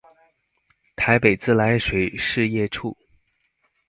臺北自來水事業處